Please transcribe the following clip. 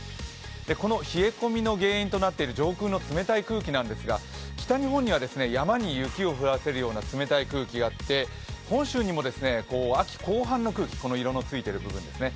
この冷え込みの原因となっている上空の冷たい空気なんですが北日本には山に雪を降らせるような冷たい空気があって本州にも秋後半の空気、この色のついている部分ですね。